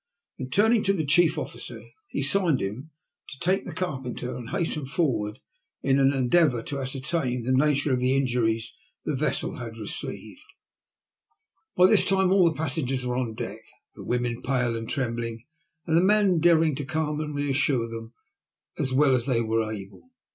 Then, turning to the chief officer, he signed to him to take the carpenter and hasten forrard in an endeavour to ascertain the nature of the injuries the vessel had received. THE WRECK OF THE "FIJI PRINCESS." 147 By this time all the passengers were on deck, the women pale and trembling, and the men endeavouring to calm and reassure them as well as they were able.